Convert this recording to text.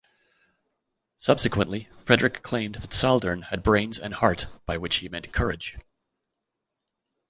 Subsequently, Frederick claimed that Saldern had brains and heart, by which he meant courage.